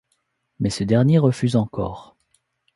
Mais ce dernier refuse encore.